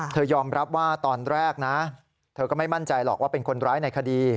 ยอมรับว่าตอนแรกนะเธอก็ไม่มั่นใจหรอกว่าเป็นคนร้ายในคดี